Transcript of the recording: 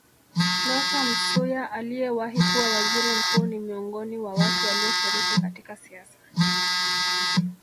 Cleopa Msuya aliyewahi kuwa Waziri Mkuu ni miongoni wa watu walioshiriki katika siasa